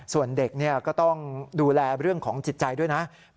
ส่วนเด็กก็ต้องดูแลเรื่องของจิตใจด้วยนะ